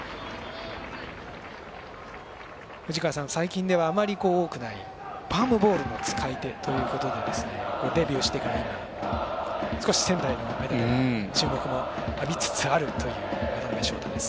藤川さん、最近ではあまり多くないパームボールの使い手ということでデビューしてから今少し仙台では注目を浴びつつあるという渡辺翔太です。